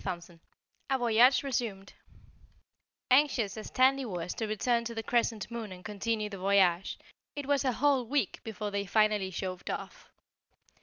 CHAPTER 21 A Voyage Resumed Anxious as Tandy was to return to the Crescent Moon and continue the voyage, it was a whole week before they finally shoved off.